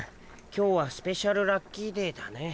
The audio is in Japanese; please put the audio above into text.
今日はスペシャルラッキーデーだね。